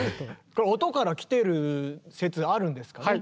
これ音から来てる説あるんですかね？